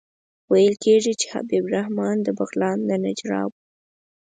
ویل کېږي چې حبیب الرحمن د بغلان د نجراب وو.